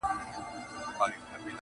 • پاک پر شرعه برابر مسلمانان دي,